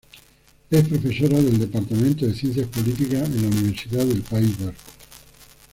Es profesora del Departamento de Ciencias Políticas en la Universidad del País Vasco.